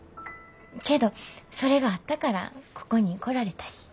けどそれがあったからここに来られたし。